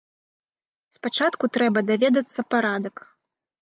Спачатку трэба даведацца парадак.